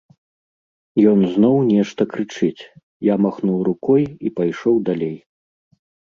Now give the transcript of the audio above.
Ён зноў нешта крычыць, я махнуў рукой і пайшоў далей.